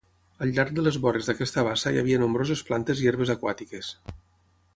Al llarg de les vores d'aquesta bassa hi havia nombroses plantes i herbes aquàtiques.